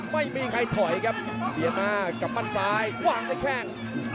ไม่มีใครถอยเบี่ยนหน้ากลับบ้านซ้ายว้างห้ายแค่ง